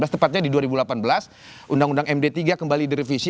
tepatnya di dua ribu delapan belas undang undang md tiga kembali direvisi